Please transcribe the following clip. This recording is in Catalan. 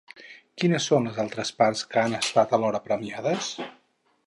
Quines són les altres parts que han estat alhora premiades?